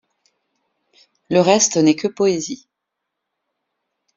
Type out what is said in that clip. Le reste n'est que poésie.